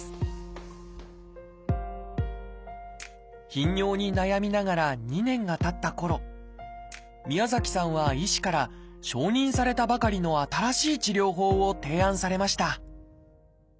頻尿に悩みながら２年がたったころ宮崎さんは医師から承認されたばかりの新しい治療法を提案されました。